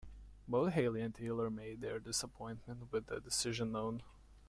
Both Healy and Taylor made their disappointment with the decision known.